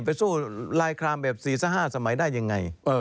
ไปสู้รายครามแบบสี่สักห้าสมัยได้ยังไง